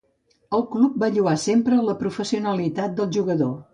El club va lloar sempre la professionalitat del jugador.